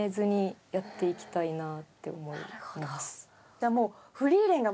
じゃもう。